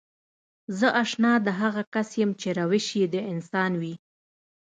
زه اشنا د هغه کس يم چې روش يې د انسان وي.